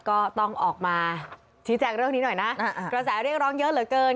ก็ต้องออกมาชี้แจงเรื่องนี้หน่อยนะกระแสเรียกร้องเยอะเหลือเกิน